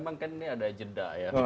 memang kan ini ada jeda ya